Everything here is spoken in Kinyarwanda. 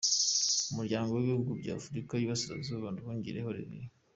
Umuryango w’Ibihugu bya Afurika y‘Iburasirazuba, Nduhungirehe Olivier.